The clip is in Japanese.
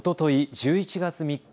１１月３日